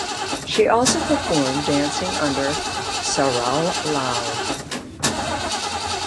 She also performed dancing under Saral Lal.